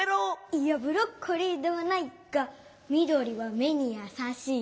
いやブロッコリーではない！がみどりはめにやさしい。